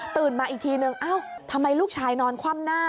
ตื่นมาอีกทีหนึ่งทำไมลูกชายนอนคว่ำหน้า